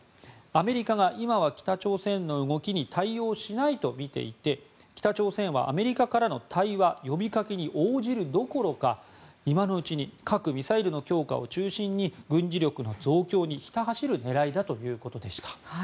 アメリカが今は北朝鮮の動きに対応しないとみていて北朝鮮はアメリカからの対話呼びかけに応じるどころか、今のうちに核・ミサイルの強化を中心に軍事力の増強にひた走る狙いだということでした。